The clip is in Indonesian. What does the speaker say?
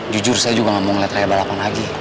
jujur saya juga nggak mau ngeliat raya balapan lagi